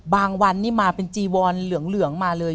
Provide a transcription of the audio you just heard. วันนี่มาเป็นจีวอนเหลืองมาเลย